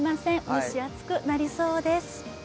蒸し暑くなりそうです。